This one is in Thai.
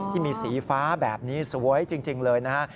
ที่มีสีฟ้าแบบนี้สวยจริงเลยนะฮะ